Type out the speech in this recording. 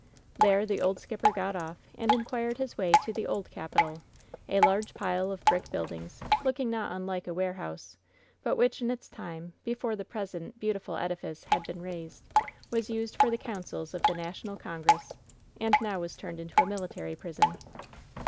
•There the old skipper got off and inquired his way to the "Old Capitol" — a large pile of brick buildings, look ing not unlike a warehouse, but which in its time, before the present beautiful edifice had been raised, was used for the councils of the National Congress, and now was turned into a military prison.